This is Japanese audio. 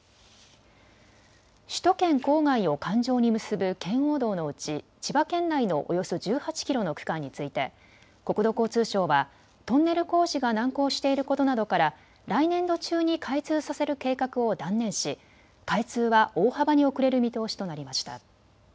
首都圏郊外を環状に結ぶ圏央道のうち、千葉県内のおよそ１８キロの区間について国土交通省はトンネル工事が難航していることなどから来年度中に開通させる計画を断念し開通は大幅に遅れる見通しとなりました。